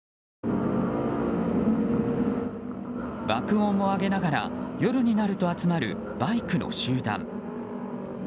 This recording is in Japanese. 爆音を上げながら夜になると集まるバイクの集団。